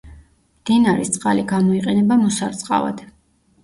მდინარის წყალი გამოიყენება მოსარწყავად.